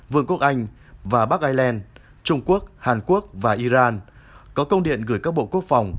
vương quốc anh và bắc ireland trung quốc hàn quốc và iran có công điện gửi các bộ quốc phòng